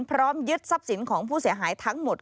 พร้อมยึดทรัพย์สินของผู้เสียหายทั้งหมด